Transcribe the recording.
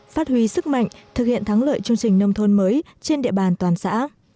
phát huy sức mạnh thực hiện thắng lợi chương trình nông thôn mới trên địa bàn toàn xã